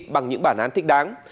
bằng những bản án thích đáng